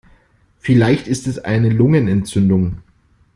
Vielleicht ist es eine Lungenentzündung.